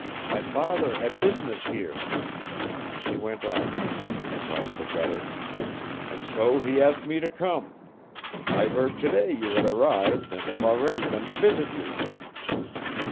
My father had business here," he went on, jumping across the gutter, "and so he asked me to come ... I heard today you had arrived and have already been to visit you."